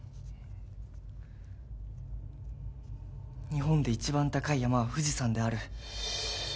日本で一番高い山は富士山である。